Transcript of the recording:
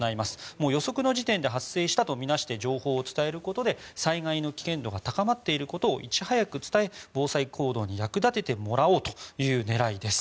もう予測の時点で発生したと見なして情報を伝えることで災害の危険度が高まっていることをいち早く伝え防災行動に役立ててもらおうという狙いです。